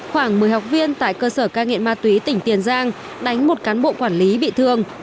khoảng một mươi học viên tại cơ sở cai nghiện ma túy tỉnh tiền giang đánh một cán bộ quản lý bị thương